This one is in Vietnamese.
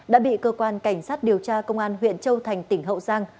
đã bị cơ quan cảnh sát điều tra công an huyện châu thành tỉnh hậu giang